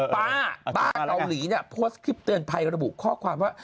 ป้าป้าเกาหลีเนี่ยโพสต์คลิปเตือนภัยระบุข้อความว่า